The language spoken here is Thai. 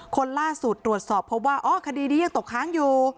คนล่าสุดตรวจสอบพบว่าอ๋อคดีนี้ยังตกค้างอยู่